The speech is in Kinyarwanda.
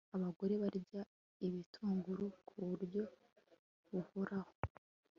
abagore barya ibitunguru ku buryo buhoraho